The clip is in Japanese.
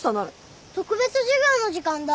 特別授業の時間だ。